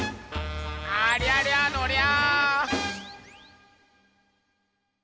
ありゃりゃのりゃ！